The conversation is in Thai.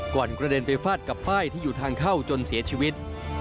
กระเด็นไปฟาดกับป้ายที่อยู่ทางเข้าจนเสียชีวิต